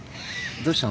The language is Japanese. どうしたの？